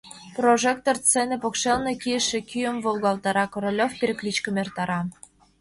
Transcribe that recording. Прожектор сцене покшелне кийыше кӱым волгалтара, Королёв перекличкым эртара.